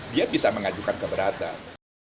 dia bisa mengajukan keberatan